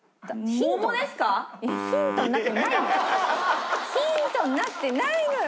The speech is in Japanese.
ヒントになってないのよ